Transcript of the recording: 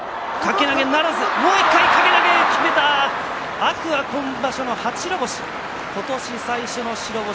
天空海、今場所、初白星。